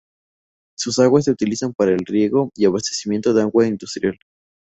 Sus aguas se utilizan para el riego y abastecimiento de agua industrial.